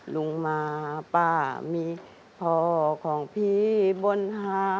ลุงมาป้ามีพ่อของพี่บนหา